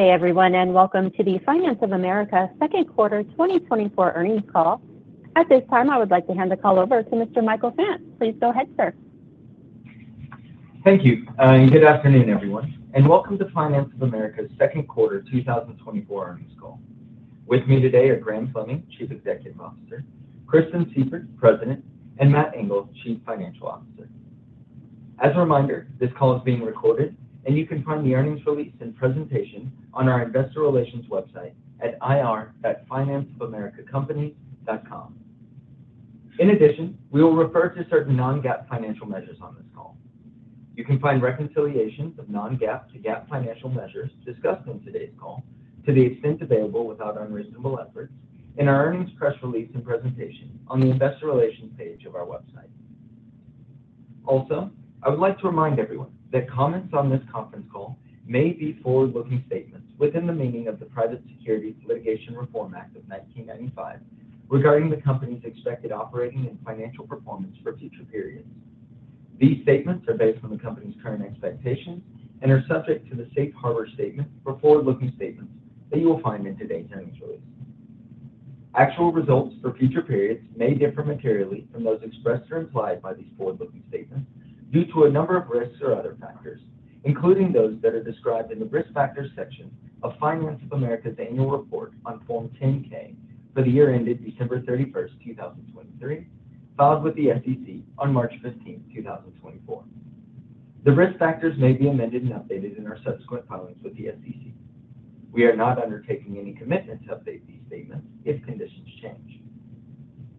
Good day, everyone, and welcome to the Finance of America second quarter 2024 earnings call. At this time, I would like to hand the call over to Mr. Michael Fant. Please go ahead, sir. Thank you. And good afternoon, everyone, and welcome to Finance of America's second quarter 2024 earnings call. With me today are Graham Fleming, Chief Executive Officer; Kristen Sieffert, President; and Matt Engel, Chief Financial Officer. As a reminder, this call is being recorded, and you can find the earnings release and presentation on our investor relations website at ir.financeofamericacompany.com. In addition, we will refer to certain non-GAAP financial measures on this call. You can find reconciliations of non-GAAP to GAAP financial measures discussed in today's call to the extent available without unreasonable efforts in our earnings press release and presentation on the investor relations page of our website. Also, I would like to remind everyone that comments on this conference call may be forward-looking statements within the meaning of the Private Securities Litigation Reform Act of 1995, regarding the company's expected operating and financial performance for future periods. These statements are based on the company's current expectations and are subject to the safe harbor statement for forward-looking statements that you will find in today's earnings release. Actual results for future periods may differ materially from those expressed or implied by these forward-looking statements due to a number of risks or other factors, including those that are described in the Risk Factors section of Finance of America's Annual Report on Form 10-K for the year ended December 31, 2023, filed with the SEC on March 15, 2024. The risk factors may be amended and updated in our subsequent filings with the SEC. We are not undertaking any commitment to update these statements if conditions change.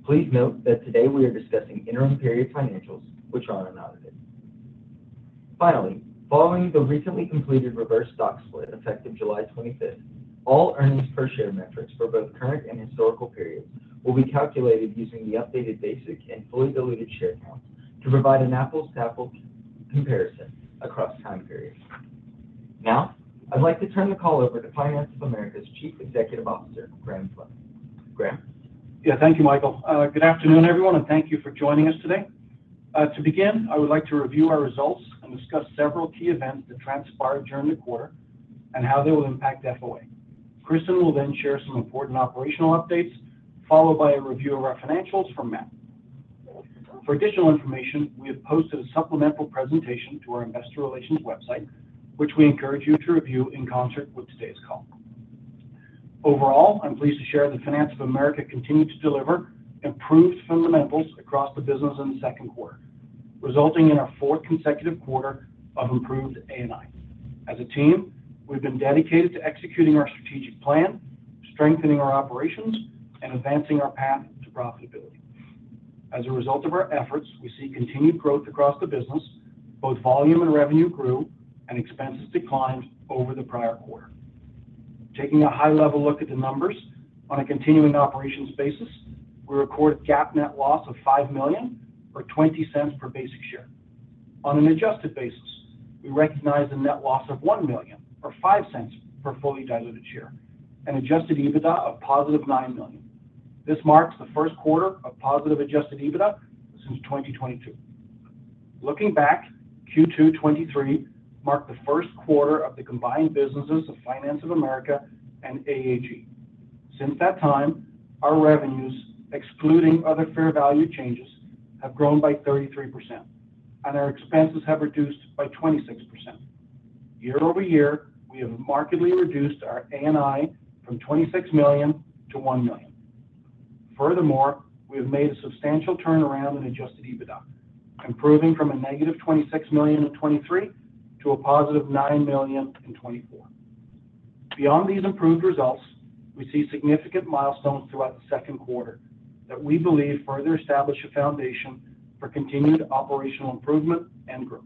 Please note that today we are discussing interim period financials, which are unaudited. Finally, following the recently completed reverse stock split, effective July 25th, all earnings per share metrics for both current and historical periods will be calculated using the updated basic and fully diluted share count to provide an apples-to-apples comparison across time periods. Now, I'd like to turn the call over to Finance of America's Chief Executive Officer, Graham Fleming. Graham? Yeah. Thank you, Michael. Good afternoon, everyone, and thank you for joining us today. To begin, I would like to review our results and discuss several key events that transpired during the quarter and how they will impact FOA. Kristen will then share some important operational updates, followed by a review of our financials from Matt. For additional information, we have posted a supplemental presentation to our investor relations website, which we encourage you to review in concert with today's call. Overall, I'm pleased to share that Finance of America continued to deliver improved fundamentals across the business in the second quarter, resulting in our fourth consecutive quarter of improved ANI. As a team, we've been dedicated to executing our strategic plan, strengthening our operations, and advancing our path to profitability. As a result of our efforts, we see continued growth across the business. Both volume and revenue grew and expenses declined over the prior quarter. Taking a high-level look at the numbers, on a continuing operations basis, we recorded GAAP net loss of $5 million or $0.20 per basic share. On an adjusted basis, we recognize a net loss of $1 million or $0.05 per fully diluted share, and Adjusted EBITDA of positive $9 million. This marks the first quarter of positive Adjusted EBITDA since 2022. Looking back, Q2 2023 marked the first quarter of the combined businesses of Finance of America and AAG. Since that time, our revenues, excluding other fair value changes, have grown by 33%, and our expenses have reduced by 26%. Year-over-year, we have markedly reduced our ANI from $26 million to $1 million. Furthermore, we have made a substantial turnaround in Adjusted EBITDA, improving from a $-26 million in 2023 to a $+9 million in 2024. Beyond these improved results, we see significant milestones throughout the second quarter that we believe further establish a foundation for continued operational improvement and growth.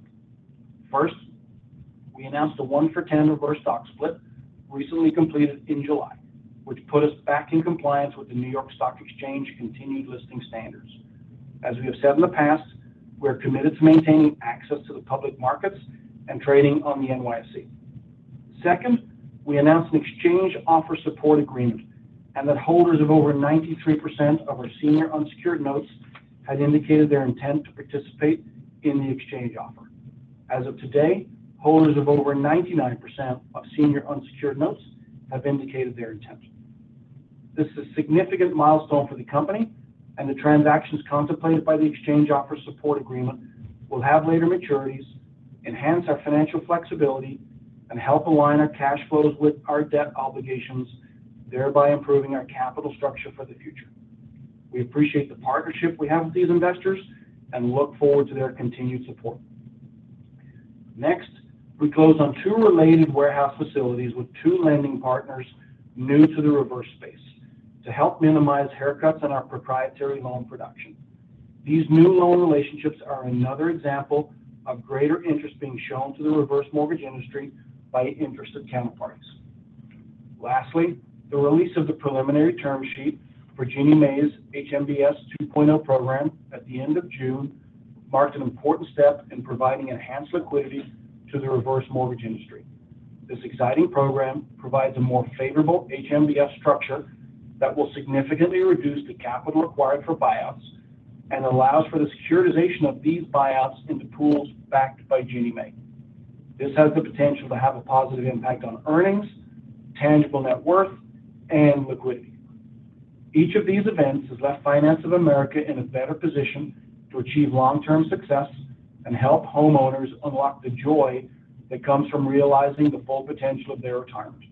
First, we announced a one-for-10 reverse stock split, recently completed in July, which put us back in compliance with the New York Stock Exchange continued listing standards. As we have said in the past, we are committed to maintaining access to the public markets and trading on the NYSE. Second, we announced an Exchange Offer Support Agreement and that holders of over 93% of our senior unsecured notes had indicated their intent to participate in the exchange offer. As of today, holders of over 99% of senior unsecured notes have indicated their intention. This is a significant milestone for the company, and the transactions contemplated by the Exchange Offer Support Agreement will have later maturities, enhance our financial flexibility, and help align our cash flows with our debt obligations, thereby improving our capital structure for the future. We appreciate the partnership we have with these investors and look forward to their continued support. Next, we close on two related warehouse facilities with two lending partners new to the reverse space to help minimize haircuts in our proprietary loan production. These new loan relationships are another example of greater interest being shown to the reverse mortgage industry by interested counterparties. Lastly, the release of the preliminary term sheet for Ginnie Mae's HMBS 2.0 program at the end of June marked an important step in providing enhanced liquidity to the reverse mortgage industry. This exciting program provides a more favorable HMBS structure that will significantly reduce the capital required for buyouts and allows for the securitization of these buyouts into pools backed by Ginnie Mae. This has the potential to have a positive impact on earnings, tangible net worth, and liquidity. Each of these events has left Finance of America in a better position to achieve long-term success and help homeowners unlock the joy that comes from realizing the full potential of their retirement.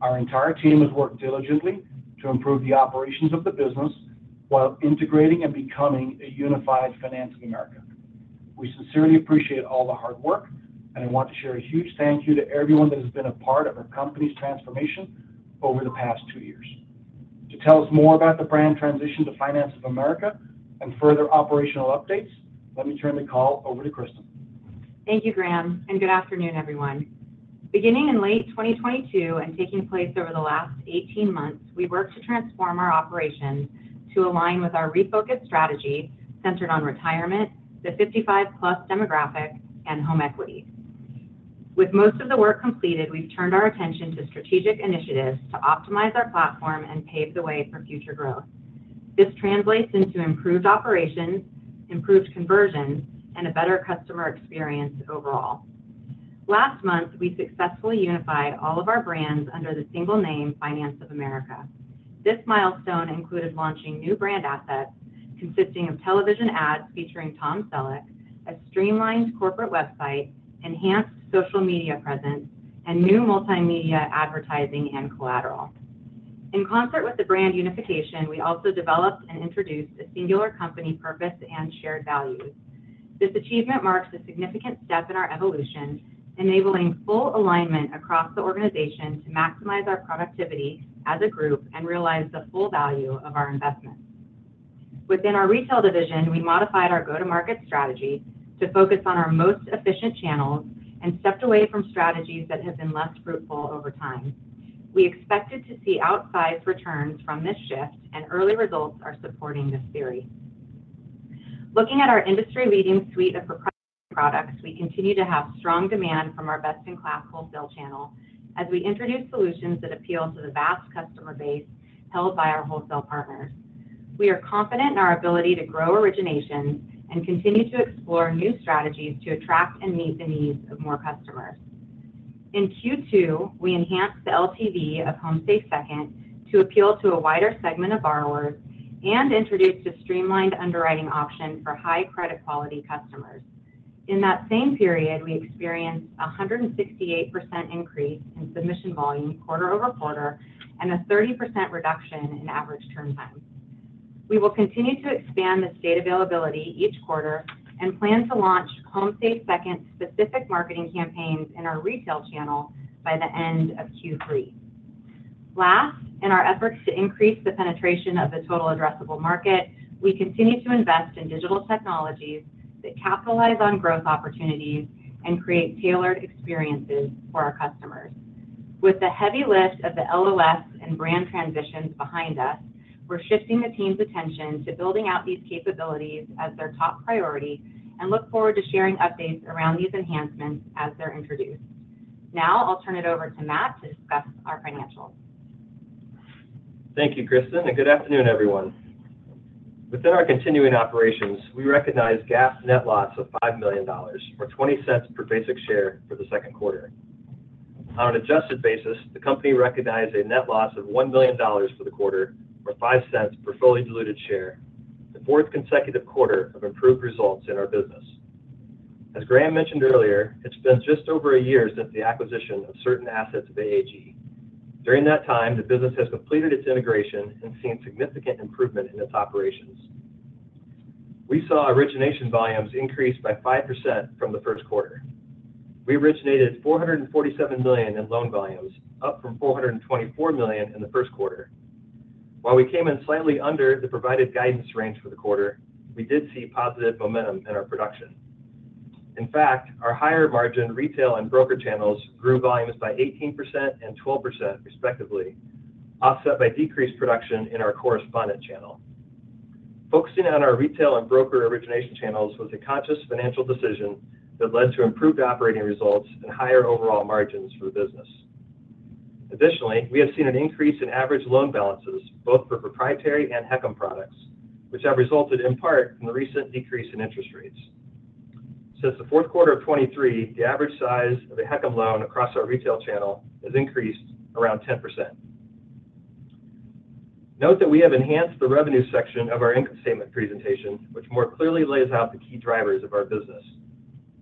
Our entire team has worked diligently to improve the operations of the business while integrating and becoming a unified Finance of America. We sincerely appreciate all the hard work, and I want to share a huge thank you to everyone that has been a part of our company's transformation over the past two years. To tell us more about the brand transition to Finance of America and further operational updates, let me turn the call over to Kristen. Thank you, Graham, and good afternoon, everyone. Beginning in late 2022 and taking place over the last 18 months, we worked to transform our operations to align with our refocused strategy centered on retirement, the 55+ demographic, and home equity. With most of the work completed, we've turned our attention to strategic initiatives to optimize our platform and pave the way for future growth. This translates into improved operations, improved conversions, and a better customer experience overall. Last month, we successfully unified all of our brands under the single name, Finance of America. This milestone included launching new brand assets consisting of television ads featuring Tom Selleck, a streamlined corporate website, enhanced social media presence, and new multimedia advertising and collateral. In concert with the brand unification, we also developed and introduced a singular company purpose and shared values. This achievement marks a significant step in our evolution, enabling full alignment across the organization to maximize our productivity as a group and realize the full value of our investments. Within our retail division, we modified our go-to-market strategy to focus on our most efficient channels and stepped away from strategies that have been less fruitful over time. We expected to see outsized returns from this shift, and early results are supporting this theory. Looking at our industry-leading suite of proprietary products, we continue to have strong demand from our best-in-class wholesale channel as we introduce solutions that appeal to the vast customer base held by our wholesale partners. We are confident in our ability to grow originations and continue to explore new strategies to attract and meet the needs of more customers. In Q2, we enhanced the LTV of HomeSafe Second to appeal to a wider segment of borrowers and introduced a streamlined underwriting option for high-credit-quality customers. In that same period, we experienced a 168% increase in submission volume quarter-over-quarter and a 30% reduction in average turn time. We will continue to expand the state availability each quarter and plan to launch HomeSafe Second specific marketing campaigns in our retail channel by the end of Q3. Last, in our efforts to increase the penetration of the total addressable market, we continue to invest in digital technologies that capitalize on growth opportunities and create tailored experiences for our customers. With the heavy lift of the LOS and brand transitions behind us, we're shifting the team's attention to building out these capabilities as their top priority and look forward to sharing updates around these enhancements as they're introduced. Now, I'll turn it over to Matt to discuss our financials. Thank you, Kristen, and good afternoon, everyone. Within our continuing operations, we recognized GAAP net loss of $5 million, or $0.20 per basic share for the second quarter. On an adjusted basis, the company recognized a net loss of $1 million for the quarter, or $0.05 per fully diluted share, the fourth consecutive quarter of improved results in our business. As Graham mentioned earlier, it's been just over a year since the acquisition of certain assets of AAG. During that time, the business has completed its integration and seen significant improvement in its operations. We saw origination volumes increase by 5% from the first quarter. We originated $447 million in loan volumes, up from $424 million in the first quarter. While we came in slightly under the provided guidance range for the quarter, we did see positive momentum in our production. In fact, our higher margin retail and broker channels grew volumes by 18% and 12%, respectively, offset by decreased production in our correspondent channel. Focusing on our retail and broker origination channels was a conscious financial decision that led to improved operating results and higher overall margins for the business. Additionally, we have seen an increase in average loan balances, both for proprietary and HECM products, which have resulted in part from the recent decrease in interest rates. Since the fourth quarter of 2023, the average size of a HECM loan across our retail channel has increased around 10%. Note that we have enhanced the revenue section of our income statement presentation, which more clearly lays out the key drivers of our business.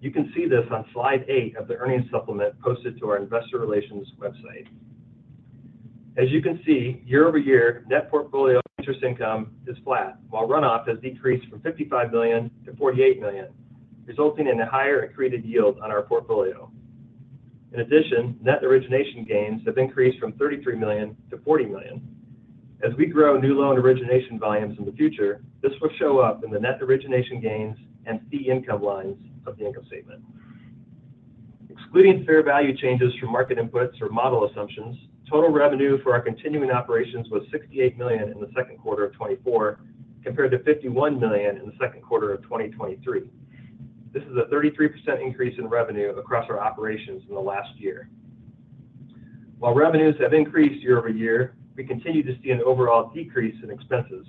You can see this on slide eight of the earnings supplement posted to our investor relations website. As you can see, year-over-year, net portfolio interest income is flat, while runoff has decreased from $55 million-$48 million, resulting in a higher accreted yield on our portfolio. In addition, net origination gains have increased from $33 million-$40 million. As we grow new loan origination volumes in the future, this will show up in the net origination gains and fee income lines of the income statement. Excluding fair value changes from market inputs or model assumptions, total revenue for our continuing operations was $68 million in the second quarter of 2024, compared to $51 million in the second quarter of 2023. This is a 33% increase in revenue across our operations in the last year.... While revenues have increased year-over-year, we continue to see an overall decrease in expenses.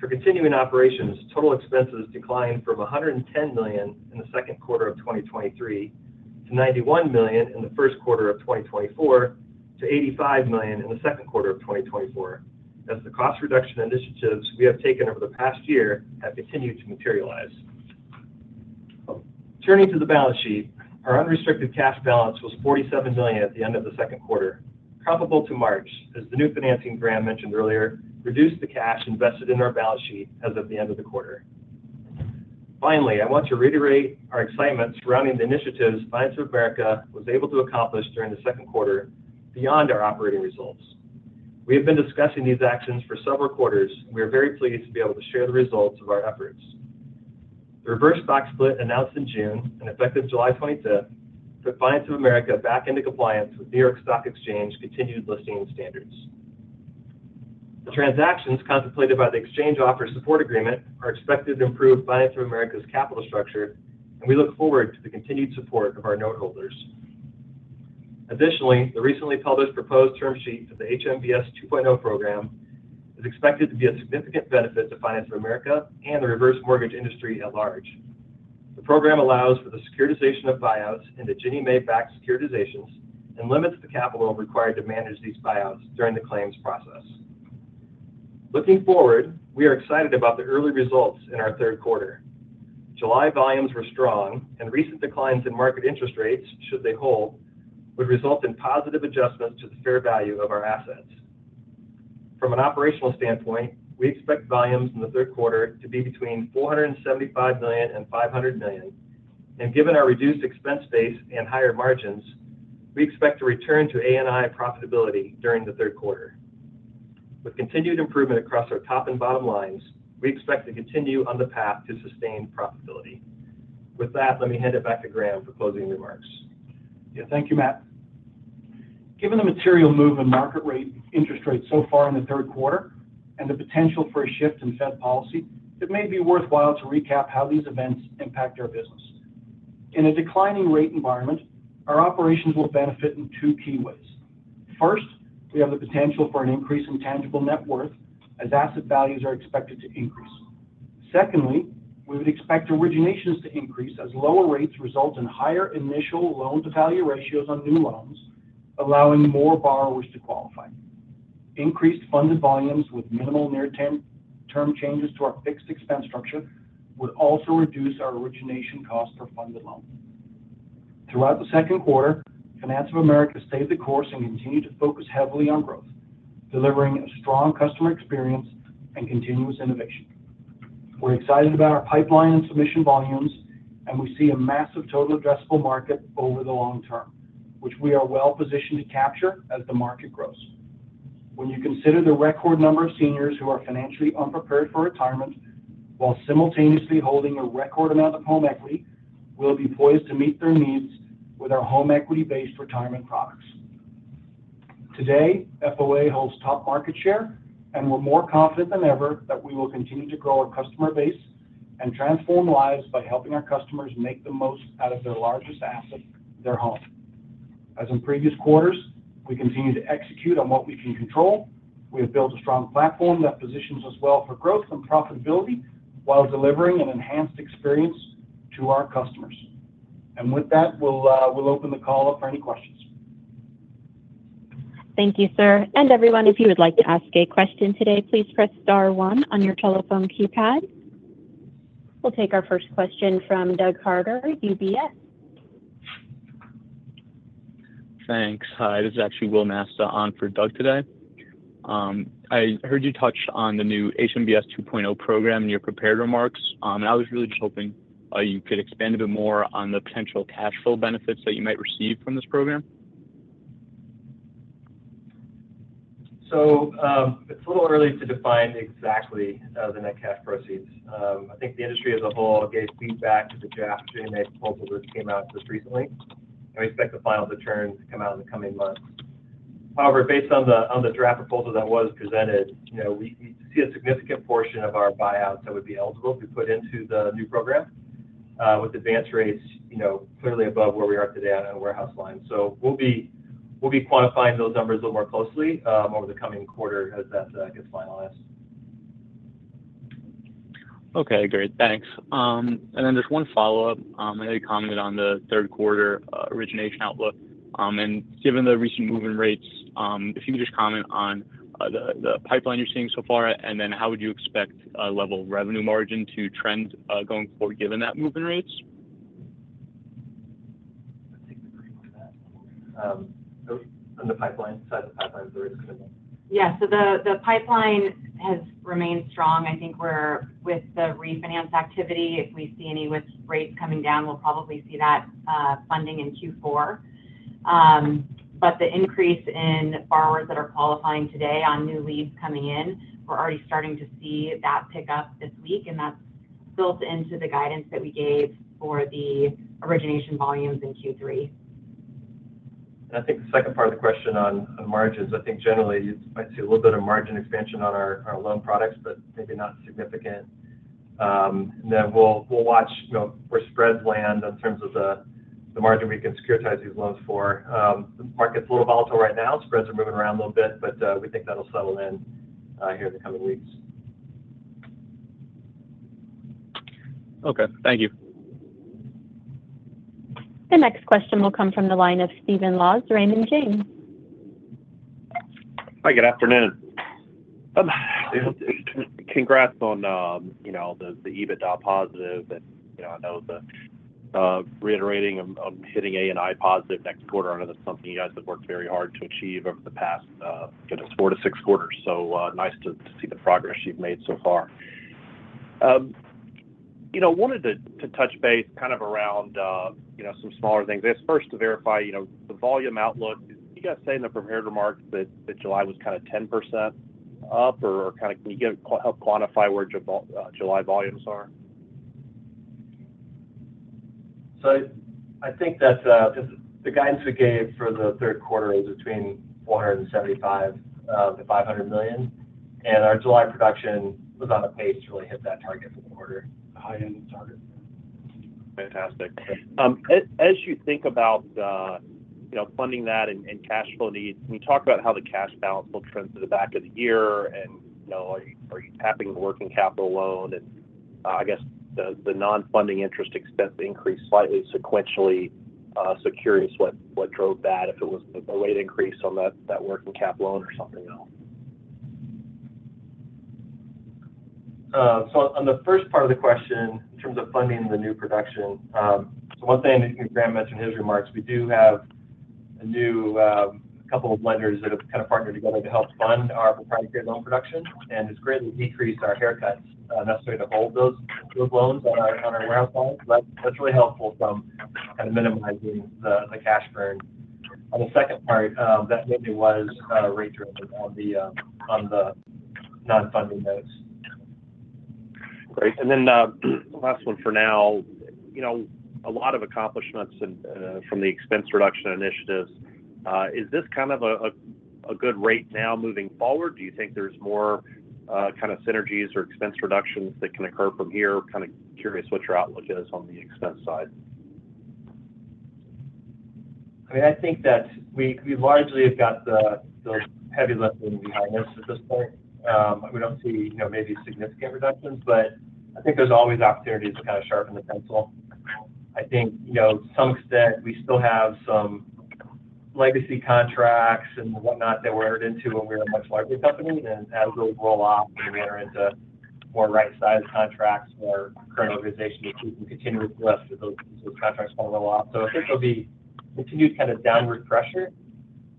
For continuing operations, total expenses declined from $110 million in the second quarter of 2023 to $91 million in the first quarter of 2024, to $85 million in the second quarter of 2024, as the cost reduction initiatives we have taken over the past year have continued to materialize. Turning to the balance sheet, our unrestricted cash balance was $47 million at the end of the second quarter, comparable to March, as the new financing Graham mentioned earlier, reduced the cash invested in our balance sheet as of the end of the quarter. Finally, I want to reiterate our excitement surrounding the initiatives Finance of America was able to accomplish during the second quarter beyond our operating results. We have been discussing these actions for several quarters, and we are very pleased to be able to share the results of our efforts. The reverse stock split, announced in June and effective July 25th, put Finance of America back into compliance with the New York Stock Exchange continued listing standards. The transactions contemplated by the Exchange Offer Support Agreement are expected to improve Finance of America's capital structure, and we look forward to the continued support of our note holders. Additionally, the recently published proposed term sheet for the HMBS 2.0 program is expected to be a significant benefit to Finance of America and the reverse mortgage industry at large. The program allows for the securitization of buyouts into Ginnie Mae-backed securitizations and limits the capital required to manage these buyouts during the claims process. Looking forward, we are excited about the early results in our third quarter. July volumes were strong, and recent declines in market interest rates, should they hold, would result in positive adjustments to the fair value of our assets. From an operational standpoint, we expect volumes in the third quarter to be between $475 million and $500 million, and given our reduced expense base and higher margins, we expect to return to ANI profitability during the third quarter. With continued improvement across our top and bottom lines, we expect to continue on the path to sustained profitability. With that, let me hand it back to Graham for closing remarks. Yeah, thank you, Matt. Given the material move in market rates, interest rates so far in the third quarter and the potential for a shift in Fed policy, it may be worthwhile to recap how these events impact our business. In a declining rate environment, our operations will benefit in two key ways. First, we have the potential for an increase in tangible net worth as asset values are expected to increase. Secondly, we would expect originations to increase as lower rates result in higher initial loan-to-value ratios on new loans, allowing more borrowers to qualify. Increased funded volumes with minimal near-term, term changes to our fixed expense structure would also reduce our origination cost for funded loans. Throughout the second quarter, Finance of America stayed the course and continued to focus heavily on growth, delivering a strong customer experience and continuous innovation. We're excited about our pipeline and submission volumes, and we see a massive total addressable market over the long-term, which we are well-positioned to capture as the market grows. When you consider the record number of seniors who are financially unprepared for retirement, while simultaneously holding a record amount of home equity, we'll be poised to meet their needs with our home equity-based retirement products. Today, FOA holds top market share, and we're more confident than ever that we will continue to grow our customer base and transform lives by helping our customers make the most out of their largest asset, their home. As in previous quarters, we continue to execute on what we can control. We have built a strong platform that positions us well for growth and profitability while delivering an enhanced experience to our customers. And with that, we'll open the call up for any questions. Thank you, sir. Everyone, if you would like to ask a question today, please press star one on your telephone keypad. We'll take our first question from Doug Harter, UBS. Thanks. Hi, this is actually Will Ma on for Doug today. I heard you touch on the new HMBS 2.0 program in your prepared remarks. And I was really just hoping, you could expand a bit more on the potential cash flow benefits that you might receive from this program? So, it's a little early to define exactly the net cash proceeds. I think the industry as a whole gave feedback to the draft Ginnie Mae proposal, which came out just recently, and we expect the final return to come out in the coming months. However, based on the draft proposal that was presented, you know, we see a significant portion of our buyouts that would be eligible to be put into the new program with advance rates, you know, clearly above where we are today on our warehouse line. So we'll be quantifying those numbers a little more closely over the coming quarter as that gets finalized. Okay, great. Thanks. And then just one follow-up. I know you commented on the third quarter origination outlook. And given the recent move in rates, if you could just comment on the pipeline you're seeing so far, and then how would you expect a level of revenue margin to trend going forward, given that move in rates? On the pipeline side of the pipeline? Yeah. So the pipeline has remained strong. I think we're with the refinance activity, if we see any with rates coming down, we'll probably see that funding in Q4. But the increase in borrowers that are qualifying today on new leads coming in, we're already starting to see that pick up this week, and that's built into the guidance that we gave for the origination volumes in Q3. I think the second part of the question on, on margins, I think generally you might see a little bit of margin expansion on our, our loan products, but maybe not significant. Then we'll, we'll watch, you know, where spreads land in terms of the, the margin we can securitize these loans for. The market's a little volatile right now. Spreads are moving around a little bit, but we think that'll settle in here in the coming weeks. Okay. Thank you. The next question will come from the line of Stephen Laws, Raymond James. Hi, good afternoon. Congrats on, you know, the EBITDA positive. And, you know, I know the, reiterating on hitting ANI positive next quarter. I know that's something you guys have worked very hard to achieve over the past, four to six quarters. So, nice to see the progress you've made so far. You know, wanted to touch base kind of around, you know, some smaller things. Just first to verify, you know, the volume outlook. Did you guys say in the prepared remarks that July was kind of 10% up or kind of—can you help quantify where July volumes are? I think that the guidance we gave for the third quarter was between $475 million-$500 million, and our July production was on a pace to really hit that target for the quarter. High-end target. Fantastic. As you think about, you know, funding that and cash flow needs, can you talk about how the cash balance will trend through the back of the year and, you know, are you tapping the working capital loan? And, I guess the non-funding interest expense increased slightly sequentially. So curious what drove that, if it was a rate increase on that working cap loan or something else? So on the first part of the question, in terms of funding the new production, one thing that Graham mentioned in his remarks, we do have a new couple of lenders that have kind of partnered together to help fund our proprietary loan production, and it's greatly decreased our haircuts necessary to hold those loans on our balance sheet. That's really helpful from kind of minimizing the cash burn. On the second part, that mainly was rate-driven on the non-funding notes. Great. And then, last one for now. You know, a lot of accomplishments and, from the expense reduction initiatives, is this kind of a good rate now moving forward? Do you think there's more, kind of synergies or expense reductions that can occur from here? Kind of curious what your outlook is on the expense side. I mean, I think that we largely have got the heavy lifting behind us at this point. We don't see, you know, maybe significant reductions, but I think there's always opportunities to kind of sharpen the pencil. I think, you know, to some extent, we still have some legacy contracts and whatnot that we entered into when we were a much larger company. And as those roll off and we enter into more right-sized contracts with our current organization, we can continue to adjust to those contracts rolling off. So I think there'll be continued kind of downward pressure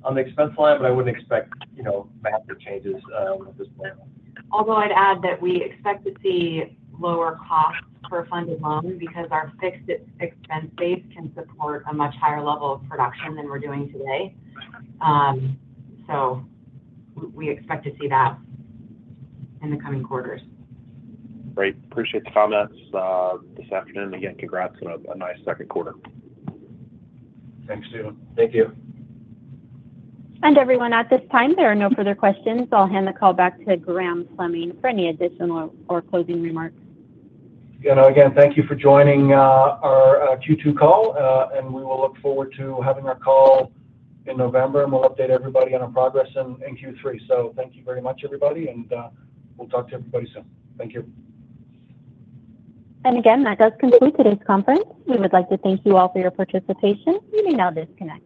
on the expense line, but I wouldn't expect, you know, massive changes at this point. Although I'd add that we expect to see lower costs per funded loan because our fixed expense base can support a much higher level of production than we're doing today. So we expect to see that in the coming quarters. Great. Appreciate the comments this afternoon. Again, congrats on a nice second quarter. Thanks, Stephen. Thank you. Everyone, at this time, there are no further questions. I'll hand the call back to Graham Fleming for any additional or closing remarks. You know, again, thank you for joining our Q2 call, and we will look forward to having our call in November, and we'll update everybody on our progress in Q3. So thank you very much, everybody, and we'll talk to everybody soon. Thank you. Again, that does conclude today's conference. We would like to thank you all for your participation. You may now disconnect.